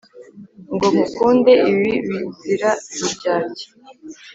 Ngo nkukunde ibi bizira uburyarya